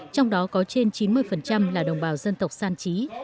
trong đó có trên chín mươi là đồng bào dân tộc san trí